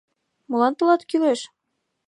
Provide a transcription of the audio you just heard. — Молан тылат кӱлеш?